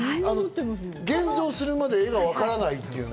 現像するまで画がわからないっていう。